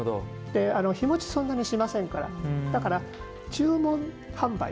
日もちそんなしませんからだから、注文販売。